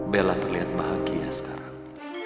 bella terlihat bahagia sekarang